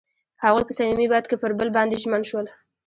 هغوی په صمیمي باد کې پر بل باندې ژمن شول.